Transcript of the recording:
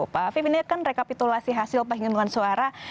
pak afif ini kan rekapitulasi hasil penghitungan suara